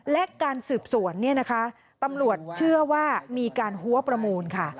และการสืบสวนเนี่ยนะคะตำรวจเชื่อว่ามีการหัวประมูลค่ะ